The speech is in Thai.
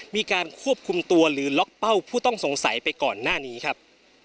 มีการควบคุมตัวหรือล็อกเป้าผู้ต้องสงสัยไปก่อนหน้านี้ครับ